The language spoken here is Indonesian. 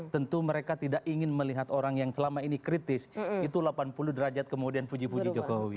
tentu mereka tidak ingin melihat orang yang selama ini kritis itu delapan puluh derajat kemudian puji puji jokowi